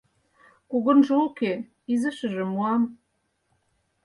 Кугунжо уке, изишыже муам.